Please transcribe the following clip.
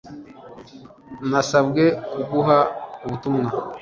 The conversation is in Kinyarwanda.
nasabwe kuguha ubutumwa